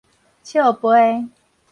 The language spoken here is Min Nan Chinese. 笑桮